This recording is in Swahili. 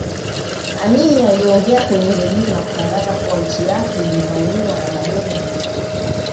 Amin aliongea kwenye redio na kutangaza kuwa nchi yake imevamiwa na madola yenye nguvu